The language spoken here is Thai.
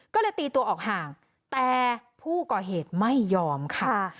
ก็เลยตีตัวออกห่างแต่ผู้ก่อเหตุไม่ยอมค่ะ